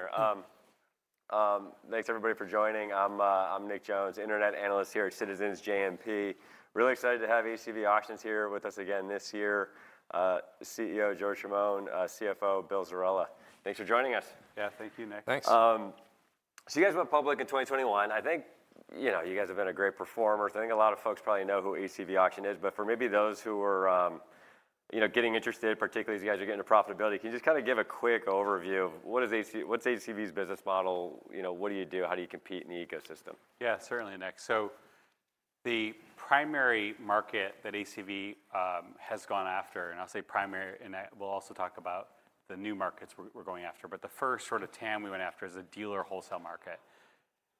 Good. We're gonna go here. Thanks, everybody, for joining. I'm Nick Jones, Internet Analyst here at Citizens JMP. Really excited to have ACV Auctions here with us again this year. CEO George Chamoun, CFO Bill Zerella. Thanks for joining us. Yeah. Thank you, Nick. Thanks. So you guys went public in 2021. I think, you know, you guys have been a great performer. So I think a lot of folks probably know who ACV Auctions is. But for maybe those who are, you know, getting interested, particularly as you guys are getting to profitability, can you just kinda give a quick overview of what's ACV's business model? You know, what do you do? How do you compete in the ecosystem? Yeah. Certainly, Nick. So the primary market that ACV has gone after and I'll say primary and we'll also talk about the new markets we're going after. But the first sort of TAM we went after is the dealer wholesale market.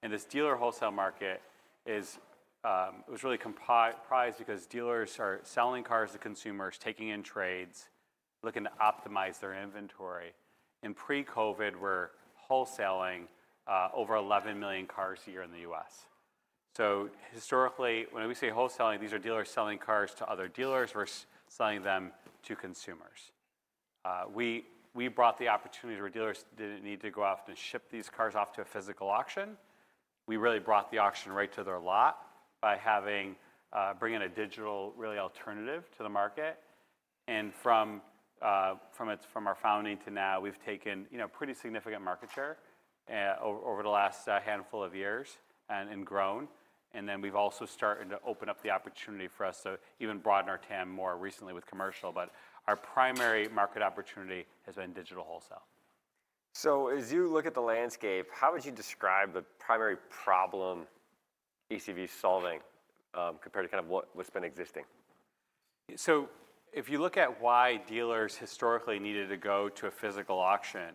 And this dealer wholesale market is, it was really comprised because dealers are selling cars to consumers, taking in trades, looking to optimize their inventory. In pre-COVID, we're wholesaling over 11 million cars a year in the U.S. So historically, when we say wholesaling, these are dealers selling cars to other dealers versus selling them to consumers. We brought the opportunity to where dealers didn't need to go out and ship these cars off to a physical auction. We really brought the auction right to their lot by bringing a digital, really alternative to the market. And from our founding to now, we've taken, you know, pretty significant market share over the last handful of years and grown. And then we've also started to open up the opportunity for us to even broaden our TAM more recently with commercial. But our primary market opportunity has been digital wholesale. So as you look at the landscape, how would you describe the primary problem ACV's solving, compared to kind of what, what's been existing? So if you look at why dealers historically needed to go to a physical auction,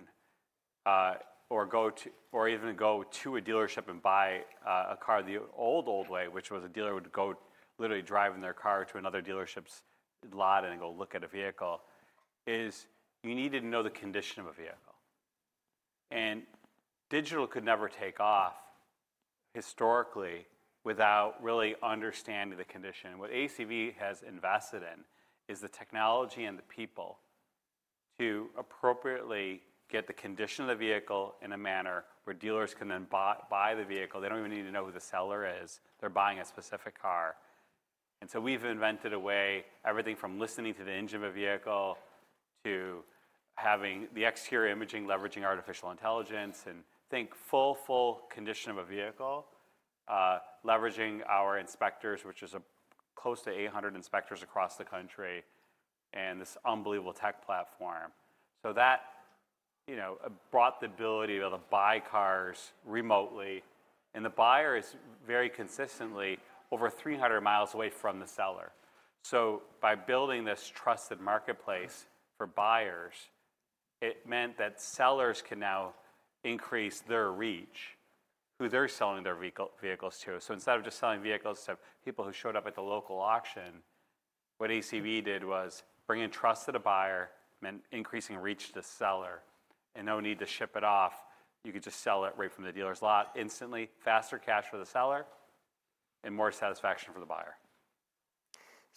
or even go to a dealership and buy a car the old, old way, which was a dealer would go literally driving their car to another dealership's lot and then go look at a vehicle, is you needed to know the condition of a vehicle. Digital could never take off historically without really understanding the condition. What ACV has invested in is the technology and the people to appropriately get the condition of the vehicle in a manner where dealers can then buy the vehicle. They don't even need to know who the seller is. They're buying a specific car. And so we've invented a way everything from listening to the engine of a vehicle to having the exterior imaging leveraging artificial intelligence and think full, full condition of a vehicle, leveraging our inspectors, which is close to 800 inspectors across the country, and this unbelievable tech platform. So that, you know, brought the ability to be able to buy cars remotely. And the buyer is very consistently over 300 miles away from the seller. So by building this trusted marketplace for buyers, it meant that sellers can now increase their reach, who they're selling their vehicle vehicles to. So instead of just selling vehicles to people who showed up at the local auction, what ACV did was bring in trusted a buyer, meant increasing reach to the seller, and no need to ship it off. You could just sell it right from the dealer's lot instantly, faster cash for the seller, and more satisfaction for the buyer.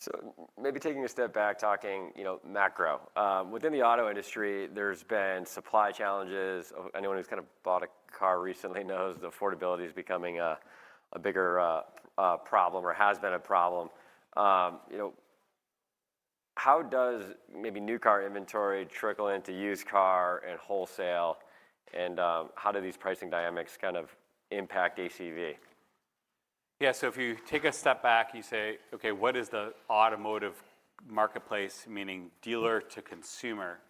So maybe taking a step back, talking, you know, macro. Within the auto industry, there's been supply challenges. Anyone who's kinda bought a car recently knows the affordability's becoming a, a bigger, problem or has been a problem. You know, how does maybe new car inventory trickle into used car and wholesale? And, how do these pricing dynamics kind of impact ACV? Yeah. So if you take a step back, you say, "Okay. What is the automotive marketplace?" Meaning dealer to consumer.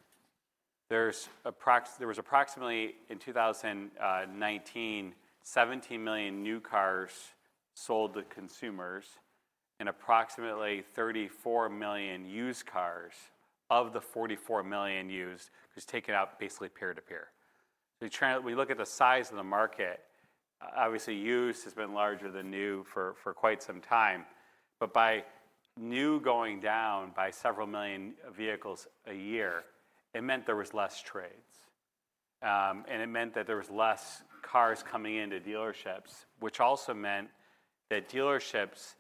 There's approximately in 2019, 17 million new cars sold to consumers and approximately 34 million used cars of the 44 million used 'cause taken out basically peer to peer. So we look at the size of the market. Obviously, used has been larger than new for quite some time. But by new going down by several million vehicles a year, it meant there was less trades. And it meant that there was less cars coming into dealerships, which also meant that dealerships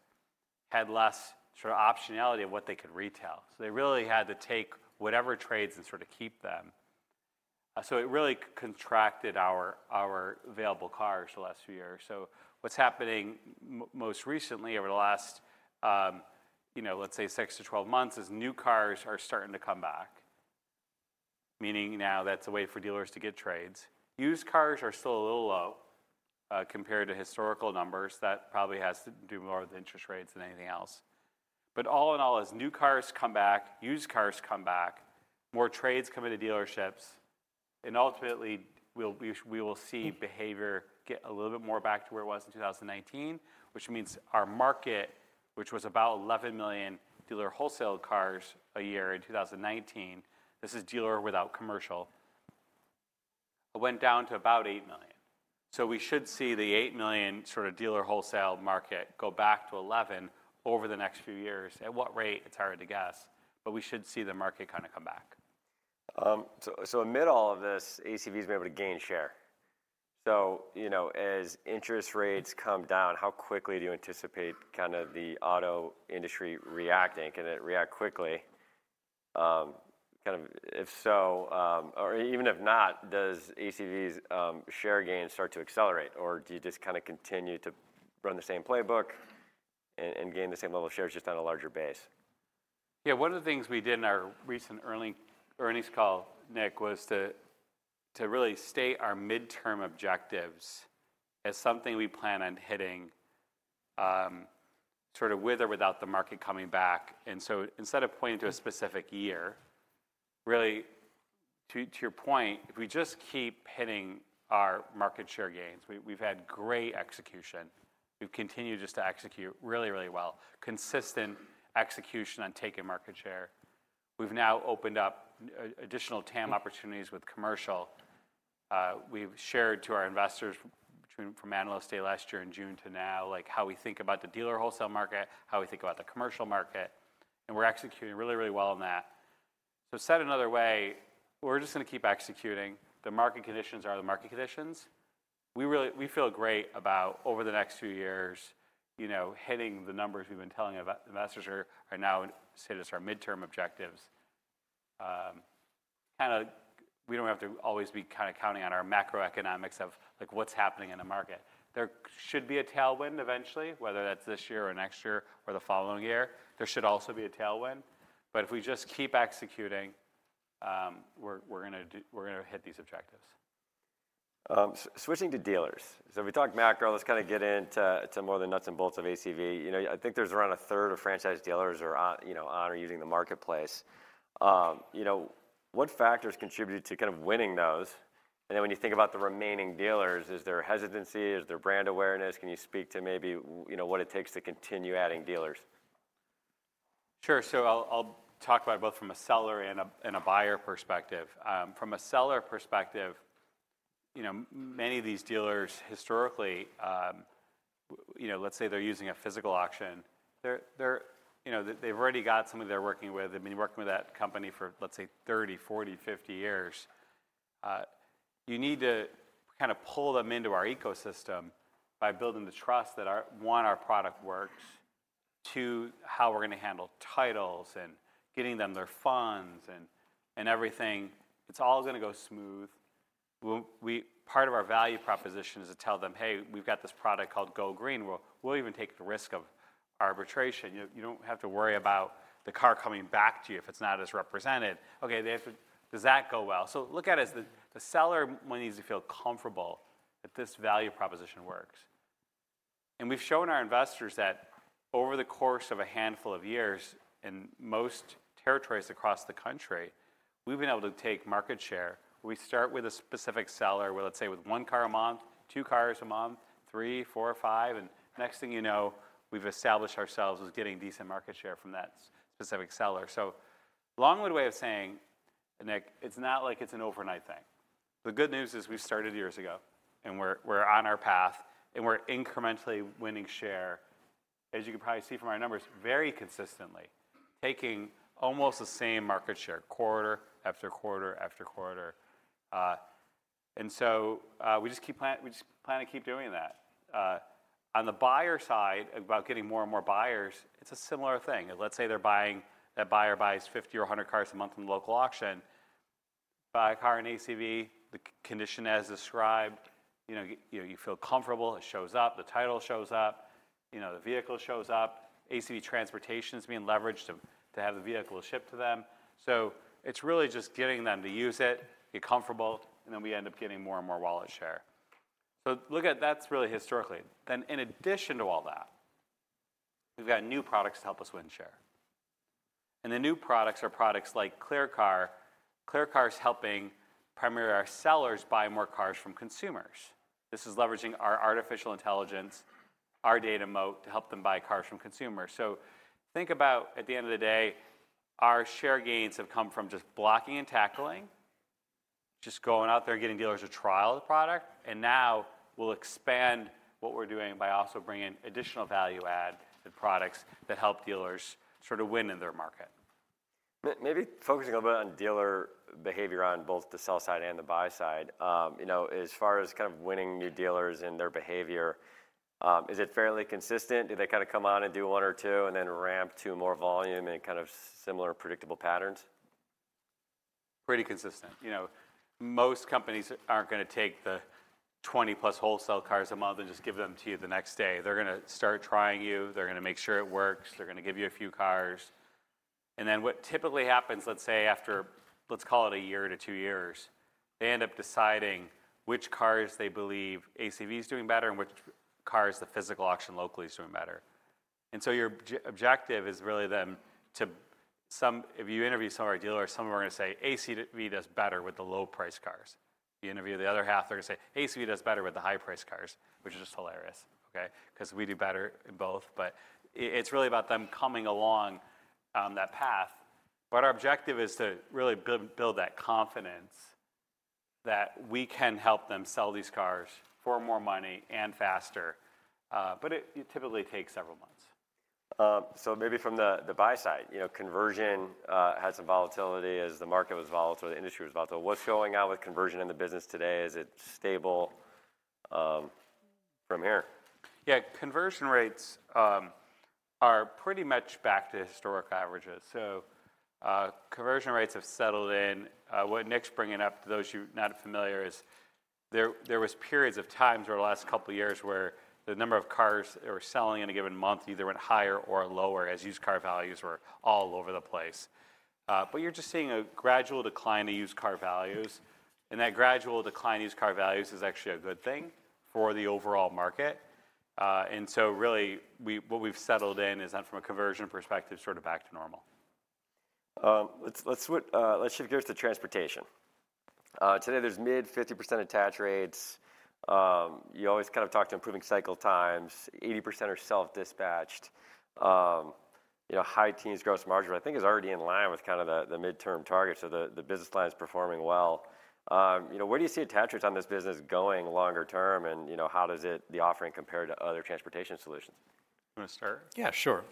had less sort of optionality of what they could retail. So they really had to take whatever trades and sort of keep them. So it really contracted our available cars the last few years. So what's happening most recently over the last, you know, let's say 6-12 months is new cars are starting to come back, meaning now that's a way for dealers to get trades. Used cars are still a little low, compared to historical numbers. That probably has to do more with interest rates than anything else. But all in all, as new cars come back, used cars come back, more trades come into dealerships, and ultimately we will see behavior get a little bit more back to where it was in 2019, which means our market, which was about 11 million dealer wholesale cars a year in 2019 - this is dealer without commercial - went down to about eight million. So we should see the eight million sort of dealer wholesale market go back to 11 over the next few years. At what rate, it's hard to guess. We should see the market kinda come back. So, amid all of this, ACV's been able to gain share. So, you know, as interest rates come down, how quickly do you anticipate kinda the auto industry reacting? Can it react quickly? Kind of if so, or even if not, does ACV's share gain start to accelerate? Or do you just kinda continue to run the same playbook and gain the same level of shares just on a larger base? Yeah. One of the things we did in our recent earnings call, Nick, was to really state our midterm objectives as something we plan on hitting, sort of with or without the market coming back. And so instead of pointing to a specific year, really, to your point, if we just keep hitting our market share gains, we've had great execution. We've continued just to execute really, really well, consistent execution on taking market share. We've now opened up additional TAM opportunities with commercial. We've shared to our investors between from analyst day last year in June to now, like, how we think about the dealer wholesale market, how we think about the commercial market. And we're executing really, really well on that. So said another way, we're just gonna keep executing. The market conditions are the market conditions. We really feel great about over the next few years, you know, hitting the numbers we've been telling investors are now set as our midterm objectives. Kinda we don't have to always be kinda counting on our macroeconomics of, like, what's happening in the market. There should be a tailwind eventually, whether that's this year or next year or the following year. There should also be a tailwind. But if we just keep executing, we're gonna hit these objectives. Switching to dealers. So if we talk macro, let's kinda get into more of the nuts and bolts of ACV. You know, I think there's around a third of franchise dealers who are on, you know, on or using the marketplace. You know, what factors contribute to kind of winning those? And then when you think about the remaining dealers, is there hesitancy? Is there brand awareness? Can you speak to maybe, you know, what it takes to continue adding dealers? Sure. So I'll talk about both from a seller and a buyer perspective. From a seller perspective, you know, many of these dealers historically, you know, let's say they're using a physical auction. They're you know, they've already got somebody they're working with. They've been working with that company for, let's say, 30, 40, 50 years. You need to kinda pull them into our ecosystem by building the trust that our one, our product works; two, how we're gonna handle titles and getting them their funds and everything. It's all gonna go smooth. We'll we part of our value proposition is to tell them, "Hey, we've got this product called Go Green. We'll even take the risk of arbitration. You don't have to worry about the car coming back to you if it's not as represented." Okay. They have to. Does that go well? So look at it as the seller money needs to feel comfortable that this value proposition works. We've shown our investors that over the course of a handful of years in most territories across the country, we've been able to take market share. We start with a specific seller with, let's say, one car a month, two cars a month, three, four, five. Next thing you know, we've established ourselves as getting decent market share from that specific seller. So long-winded way of saying, Nick, it's not like it's an overnight thing. The good news is we started years ago. We're on our path. We're incrementally winning share, as you can probably see from our numbers, very consistently, taking almost the same market share quarter after quarter after quarter. We just plan to keep doing that. On the buyer side, about getting more and more buyers, it's a similar thing. Let's say that buyer buys 50 or 100 cars a month in the local auction, buy a car in ACV, the condition as described. You know, you feel comfortable. It shows up. The title shows up. You know, the vehicle shows up. ACV Transportation's being leveraged to have the vehicle shipped to them. So it's really just getting them to use it, get comfortable, and then we end up getting more and more wallet share. So look at that's really historically. Then in addition to all that, we've got new products to help us win share. And the new products are products like ClearCar. ClearCar's helping primarily our sellers buy more cars from consumers. This is leveraging our artificial intelligence, our data moat to help them buy cars from consumers. So think about at the end of the day, our share gains have come from just blocking and tackling, just going out there and getting dealers a trial of the product. And now we'll expand what we're doing by also bringing additional value added products that help dealers sort of win in their market. Maybe focusing a little bit on dealer behavior on both the sell side and the buy side. You know, as far as kind of winning new dealers and their behavior, is it fairly consistent? Do they kinda come on and do one or two and then ramp to more volume in kind of similar predictable patterns? Pretty consistent. You know, most companies aren't gonna take the 20+ wholesale cars a month and just give them to you the next day. They're gonna start trying you. They're gonna make sure it works. They're gonna give you a few cars. And then what typically happens, let's say after let's call it a year to two years, they end up deciding which cars they believe ACV's doing better and which cars the physical auction locally's doing better. And so your objective is really then to, if you interview some of our dealers, some of them are gonna say, "ACV does better with the low-priced cars." If you interview the other half, they're gonna say, "ACV does better with the high-priced cars," which is just hilarious, okay, 'cause we do better in both. But it's really about them coming along, that path. Our objective is to really build, build that confidence that we can help them sell these cars for more money and faster. It, it typically takes several months. Maybe from the buy side, you know, conversion had some volatility as the market was volatile or the industry was volatile. What's going on with conversion in the business today? Is it stable from here? Yeah. Conversion rates are pretty much back to historic averages. So, conversion rates have settled in. What Nick's bringing up to those who not familiar is there, there was periods of times over the last couple of years where the number of cars that were selling in a given month either went higher or lower as used car values were all over the place. But you're just seeing a gradual decline in used car values. And that gradual decline in used car values is actually a good thing for the overall market. And so really we what we've settled in is then from a conversion perspective sort of back to normal. Let's shift gears to transportation. Today there's mid-50% attach rates. You always kind of talk to improving cycle times. 80% are self-dispatched. You know, high teens gross margin, I think, is already in line with kinda the midterm target. So the business line's performing well. You know, where do you see attach rates on this business going longer term? And, you know, how does the offering compare to other transportation solutions? You wanna start? Yeah. Sure.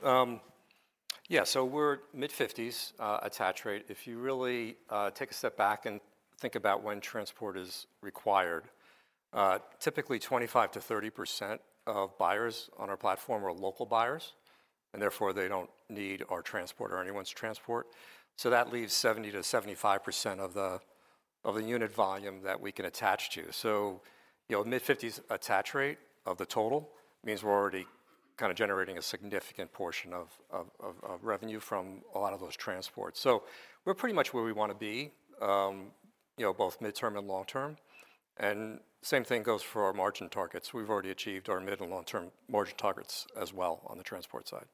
Yeah. So we're mid-50s attach rate. If you really take a step back and think about when transport is required, typically 25%-30% of buyers on our platform are local buyers. And therefore, they don't need our transport or anyone's transport. So that leaves 70%-75% of the unit volume that we can attach to. So, you know, mid-50s attach rate of the total means we're already kinda generating a significant portion of revenue from a lot of those transports. So we're pretty much where we wanna be, you know, both midterm and long term. And same thing goes for our margin targets. We've already achieved our mid and long-term margin targets as well on the transport side.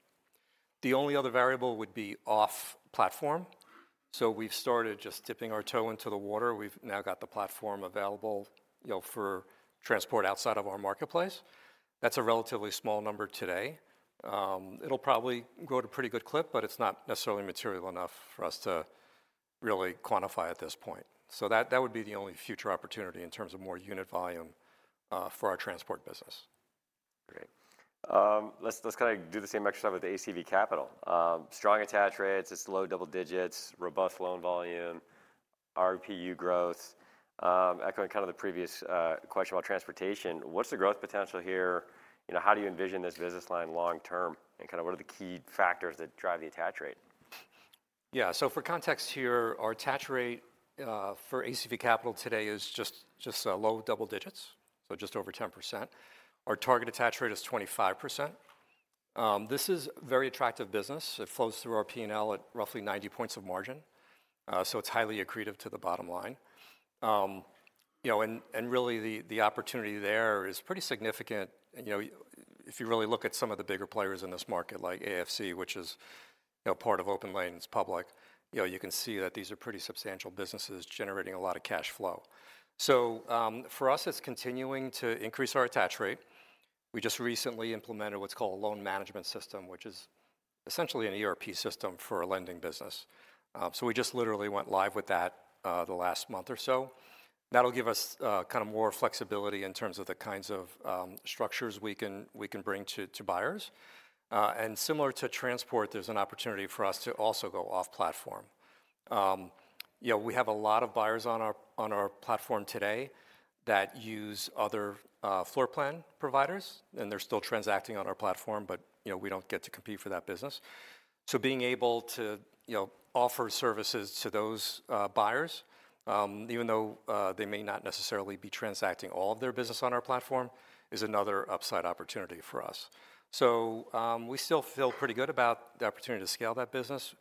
The only other variable would be off-platform. So we've started just dipping our toe into the water. We've now got the platform available, you know, for transport outside of our marketplace. That's a relatively small number today. It'll probably grow to pretty good clip, but it's not necessarily material enough for us to really quantify at this point. So that, that would be the only future opportunity in terms of more unit volume, for our transport business. Great. Let's kinda do the same exercise with ACV Capital. Strong attach rates. It's low double digits, robust loan volume, RPU growth. Echoing kinda the previous question about transportation, what's the growth potential here? You know, how do you envision this business line long term? And kinda what are the key factors that drive the attach rate? Yeah. So for context here, our attach rate for ACV Capital today is just low double digits, so just over 10%. Our target attach rate is 25%. This is very attractive business. It flows through our P&L at roughly 90 points of margin. So it's highly accretive to the bottom line. You know, and really the opportunity there is pretty significant. You know, if you really look at some of the bigger players in this market, like AFC, which is, you know, part of OPENLANE, it's public, you know, you can see that these are pretty substantial businesses generating a lot of cash flow. So, for us, it's continuing to increase our attach rate. We just recently implemented what's called a loan management system, which is essentially an ERP system for a lending business. So we just literally went live with that, the last month or so. That'll give us kinda more flexibility in terms of the kinds of structures we can bring to buyers. And similar to transport, there's an opportunity for us to also go off-platform. You know, we have a lot of buyers on our platform today that use other floor plan providers. And they're still transacting on our platform. But you know, we don't get to compete for that business. So being able to offer services to those buyers, even though they may not necessarily be transacting all of their business on our platform, is another upside opportunity for us. So we still feel pretty good about the opportunity to scale that business.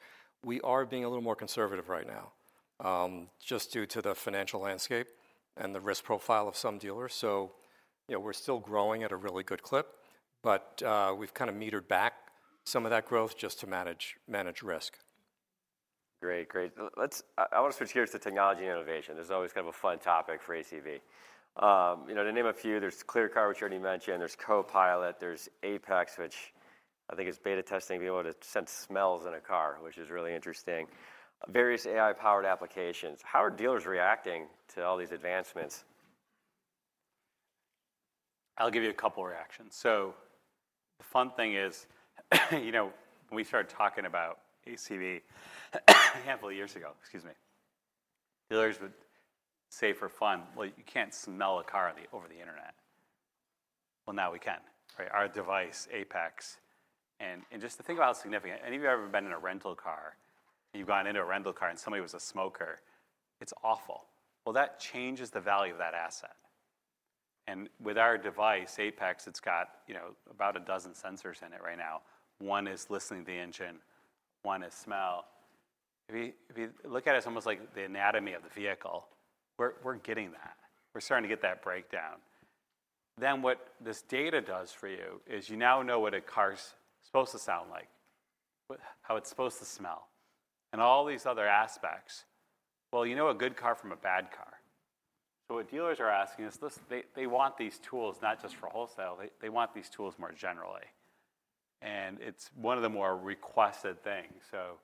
We are being a little more conservative right now, just due to the financial landscape and the risk profile of some dealers. So, you know, we're still growing at a really good clip. But, we've kinda metered back some of that growth just to manage, manage risk. Great. Great. Let's, I wanna switch gears to technology and innovation. There's always kind of a fun topic for ACV. You know, to name a few, there's ClearCar, which you already mentioned. There's Copilot. There's Apex, which I think is beta testing, being able to sense smells in a car, which is really interesting. Various AI-powered applications. How are dealers reacting to all these advancements? I'll give you a couple reactions. So the fun thing is, you know, when we started talking about ACV a handful of years ago, excuse me, dealers would say for fun, "Well, you can't smell a car over the internet." Well, now we can, right? Our device, Apex, and just to think about how significant any of you ever been in a rental car, and you've gone into a rental car, and somebody was a smoker, it's awful. Well, that changes the value of that asset. And with our device, Apex, it's got, you know, about a dozen sensors in it right now. One is listening to the engine. One is smell. If you look at it as almost like the anatomy of the vehicle, we're getting that. We're starting to get that breakdown. Then what this data does for you is you now know what a car's supposed to sound like, what how it's supposed to smell, and all these other aspects. Well, you know a good car from a bad car. So what dealers are asking is, "Listen, they want these tools not just for wholesale. They want these tools more generally." And it's one of the more requested things. So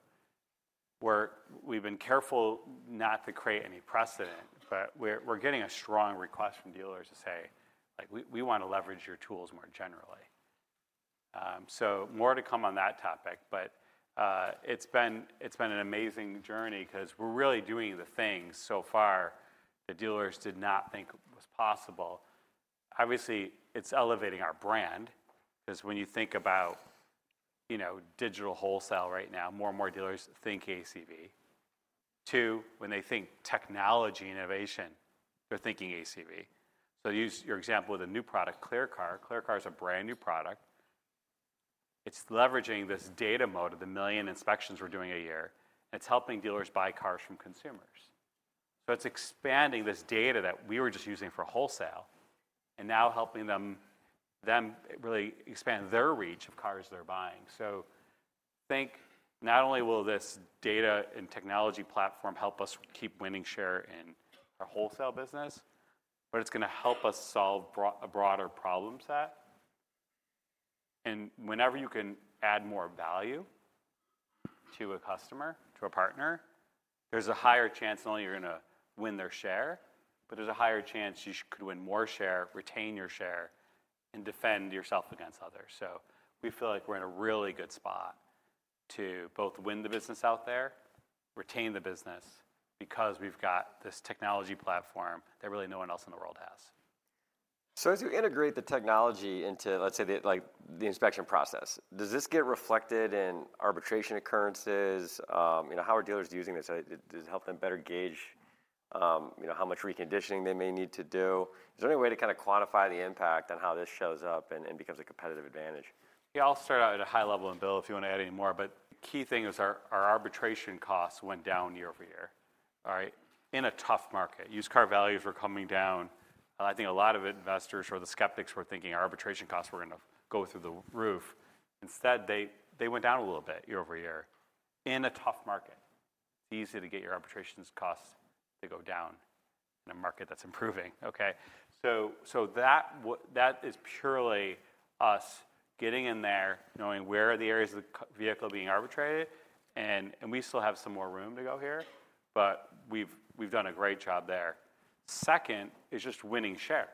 we've been careful not to create any precedent. But we're getting a strong request from dealers to say, like, "We wanna leverage your tools more generally." So more to come on that topic. But it's been an amazing journey 'cause we're really doing the things so far that dealers did not think was possible. Obviously, it's elevating our brand 'cause when you think about, you know, digital wholesale right now, more and more dealers think ACV. Two, when they think technology innovation, they're thinking ACV. So use your example with a new product, ClearCar. ClearCar is a brand new product. It's leveraging this data moat of one million inspections we're doing a year. And it's helping dealers buy cars from consumers. So it's expanding this data that we were just using for wholesale and now helping them, them really expand their reach of cars they're buying. So think not only will this data and technology platform help us keep winning share in our wholesale business, but it's gonna help us solve a broader problem set. Whenever you can add more value to a customer, to a partner, there's a higher chance not only you're gonna win their share, but there's a higher chance you could win more share, retain your share, and defend yourself against others. So we feel like we're in a really good spot to both win the business out there, retain the business because we've got this technology platform that really no one else in the world has. So as you integrate the technology into, let's say, the, like, the inspection process, does this get reflected in arbitration occurrences? You know, how are dealers using this? Does it help them better gauge, you know, how much reconditioning they may need to do? Is there any way to kinda quantify the impact on how this shows up and becomes a competitive advantage? Yeah. I'll start out at a high level and Bill, if you wanna add any more. But the key thing is our arbitration costs went down year-over-year, all right, in a tough market. Used car values were coming down. I think a lot of investors or the skeptics were thinking our arbitration costs were gonna go through the roof. Instead, they went down a little bit year-over-year in a tough market. It's easy to get your arbitration costs to go down in a market that's improving, okay? So that is purely us getting in there, knowing where are the areas of the vehicle being arbitrated. And we still have some more room to go here. But we've done a great job there. Second is just winning share.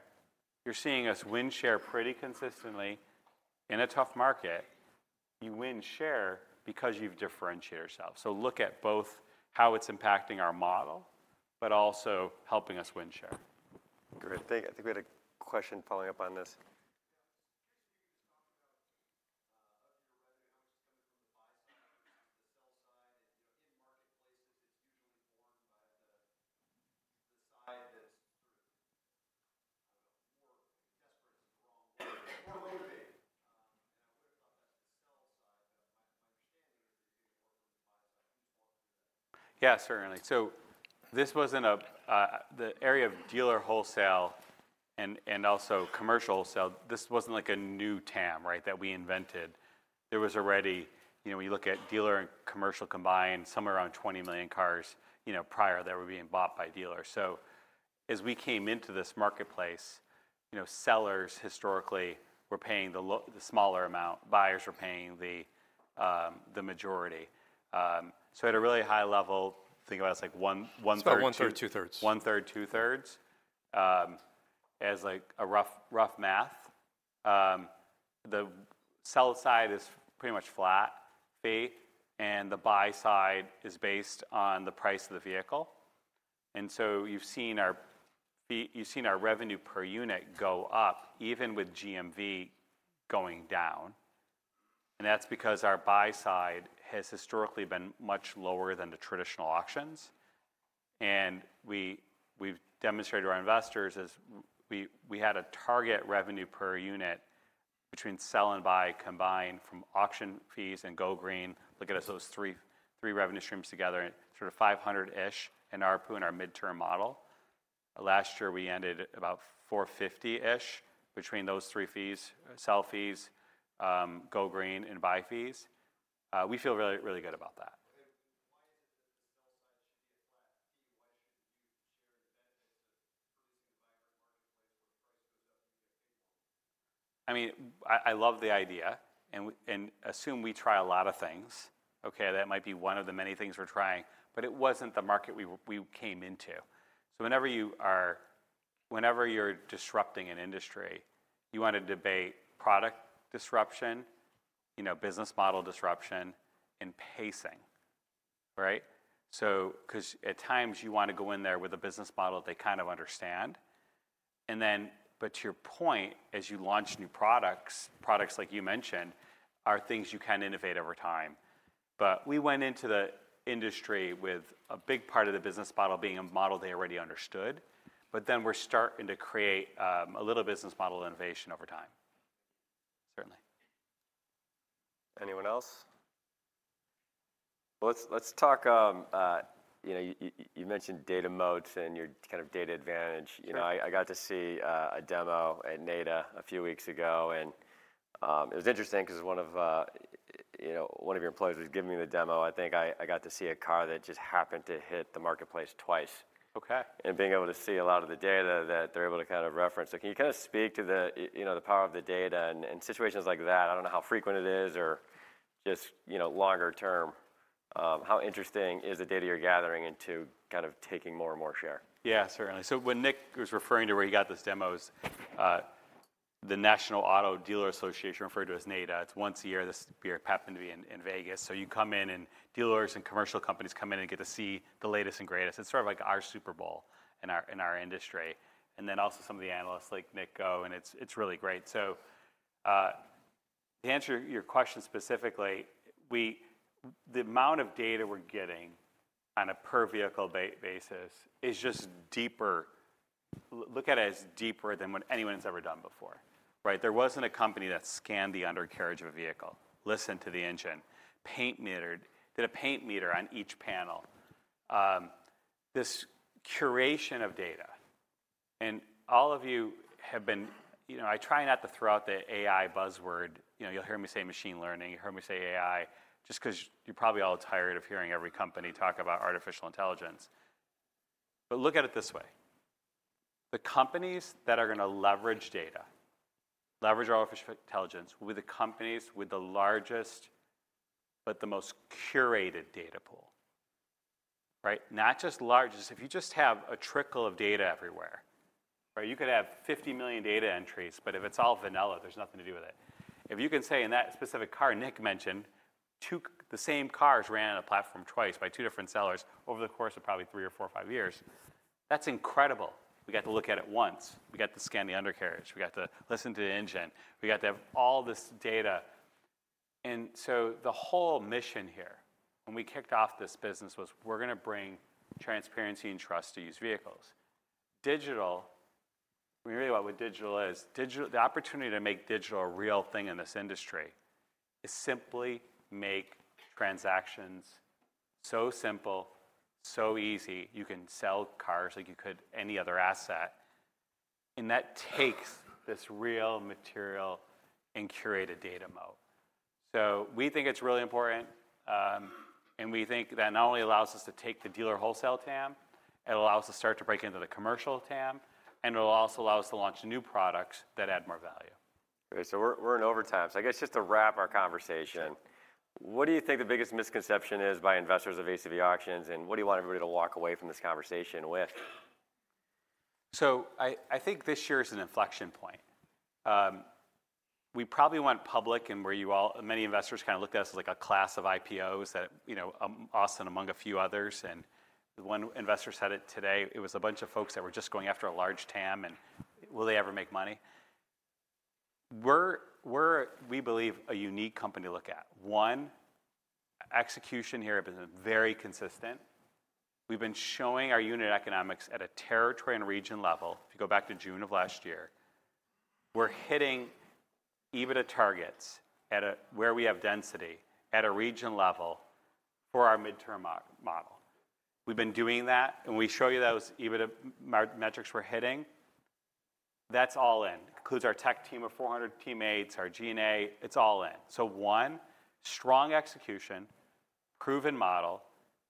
You're seeing us win share pretty consistently in a tough market. You win share because you've differentiated yourself. So look at both how it's impacting our model but also helping us win share. Great. Thanks, I think we had a question following up on this. Yeah. Just curious if you can just talk about, of your revenue, how much is coming from the buy side versus the sell side. And, you know, in marketplaces, it's usually born by the, the side that's sort of, I don't know, more desperate is the wrong word, more motivated. I would have thought that's the sell side. But my, my understanding is that you're getting more from the buy side. Can you just walk me through that? Yeah. Certainly. So this wasn't a, the area of dealer wholesale and, and also commercial wholesale, this wasn't like a new TAM, right, that we invented. There was already you know, when you look at dealer and commercial combined, somewhere around 20 million cars, you know, prior that were being bought by dealers. So as we came into this marketplace, you know, sellers historically were paying the lo the smaller amount. Buyers were paying the, the majority. So at a really high level, think about it as like one, one-third. It's about one-third, two-thirds. One-third, two-thirds. As like a rough, rough math, the sell side is pretty much flat fee. And the buy side is based on the price of the vehicle. And so you've seen our fee, you've seen our revenue per unit go up even with GMV going down. And that's because our buy side has historically been much lower than the traditional auctions. And we, we've demonstrated to our investors is we, we had a target revenue per unit between sell and buy combined from auction fees and Go Green look at us those three, three revenue streams together and sort of $500-ish in our RPU in our midterm model. Last year, we ended about $450-ish between those three fees, sell fees, Go Green, and buy fees. We feel really, really good about that. Why is it that the sell side should be a flat fee? Why shouldn't you share the benefits of producing a vibrant marketplace where the price goes up and you get paid more? I mean, I love the idea. And we assume we try a lot of things, okay? That might be one of the many things we're trying. But it wasn't the market we came into. So whenever you're disrupting an industry, you wanna debate product disruption, you know, business model disruption, and pacing, right? So 'cause at times, you wanna go in there with a business model that they kind of understand. And then but to your point, as you launch new products, products like you mentioned, are things you can innovate over time. But we went into the industry with a big part of the business model being a model they already understood. But then we're starting to create a little business model innovation over time, certainly. Anyone else? Well, let's talk, you know, you mentioned data moats and your kind of data advantage. You know, I got to see a demo at NADA a few weeks ago. It was interesting 'cause one of, you know, one of your employees was giving me the demo. I think I got to see a car that just happened to hit the marketplace twice. Okay. And being able to see a lot of the data that they're able to kind of reference. So can you kinda speak to the, you know, the power of the data and, and situations like that? I don't know how frequent it is or just, you know, longer term. How interesting is the data you're gathering into kind of taking more and more share? Yeah. Certainly. So when Nick was referring to where he got this demo is, the National Automobile Dealers Association, referred to as NADA. It's once a year. This year it happened to be in Vegas. So you come in and dealers and commercial companies come in and get to see the latest and greatest. It's sort of like our Super Bowl in our industry. And then also some of the analysts like Nick go. And it's really great. So, to answer your question specifically, we the amount of data we're getting on a per-vehicle basis is just deeper, look at it as deeper than what anyone has ever done before, right? There wasn't a company that scanned the undercarriage of a vehicle, listened to the engine, paint metered, did a paint meter on each panel. This curation of data and all of you have been, you know, I try not to throw out the AI buzzword. You know, you'll hear me say machine learning. You'll hear me say AI just 'cause you're probably all tired of hearing every company talk about artificial intelligence. But look at it this way. The companies that are gonna leverage data, leverage artificial intelligence will be the companies with the largest but the most curated data pool, right? Not just largest. If you just have a trickle of data everywhere, right, you could have 50 million data entries. But if it's all vanilla, there's nothing to do with it. If you can say in that specific car Nick mentioned, to see the same cars ran on a platform twice by two different sellers over the course of probably three or four, five years, that's incredible. We got to look at it once. We got to scan the undercarriage. We got to listen to the engine. We got to have all this data. And so the whole mission here when we kicked off this business was we're gonna bring transparency and trust to used vehicles. Digital, I mean, really, what digital is, digital the opportunity to make digital a real thing in this industry is simply make transactions so simple, so easy. You can sell cars like you could any other asset. And that takes this real, material, and curated data moat. So we think it's really important. And we think that not only allows us to take the dealer wholesale TAM, it allows us to start to break into the commercial TAM. And it also allows us to launch new products that add more value. Great. So we're in overtime. So I guess just to wrap our conversation, what do you think the biggest misconception is by investors of ACV Auctions? And what do you want everybody to walk away from this conversation with? So I think this year is an inflection point. We probably went public and where you and many investors kinda looked at us as like a class of IPOs that, you know, us and among a few others. The one investor said it today. It was a bunch of folks that were just going after a large TAM. And will they ever make money? We're a unique company we believe to look at. One, execution here has been very consistent. We've been showing our unit economics at a territory and region level. If you go back to June of last year, we're hitting EBITDA targets at where we have density at a region level for our midterm model. We've been doing that. We show you those EBITDA metrics we're hitting. That's all in. It includes our tech team of 400 teammates, our G&A. It's all in. So one, strong execution, proven model.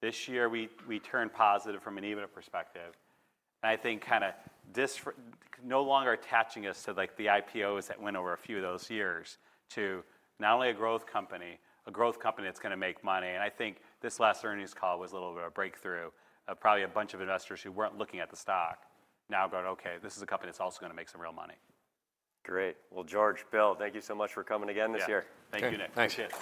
This year, we turned positive from an EBITDA perspective. And I think kinda dispels no longer attaching us to, like, the IPOs that went over a few of those years to not only a growth company, a growth company that's gonna make money. And I think this last earnings call was a little bit of a breakthrough of probably a bunch of investors who weren't looking at the stock now go, "Okay. This is a company that's also gonna make some real money. Great. Well, George, Bill, thank you so much for coming again this year. Yeah. Thank you, Nick. Thanks.